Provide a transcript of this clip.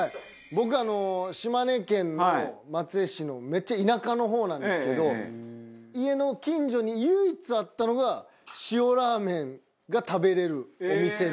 僕島根県の松江市のめっちゃ田舎の方なんですけど家の近所に唯一あったのが塩ラーメンが食べられるお店で。